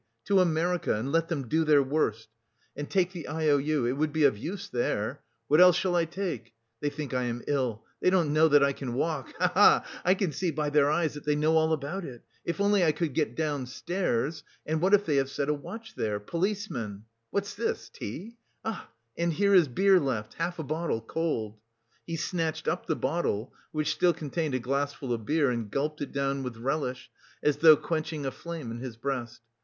to America, and let them do their worst! And take the I O U... it would be of use there.... What else shall I take? They think I am ill! They don't know that I can walk, ha ha ha! I could see by their eyes that they know all about it! If only I could get downstairs! And what if they have set a watch there policemen! What's this tea? Ah, and here is beer left, half a bottle, cold!" He snatched up the bottle, which still contained a glassful of beer, and gulped it down with relish, as though quenching a flame in his breast.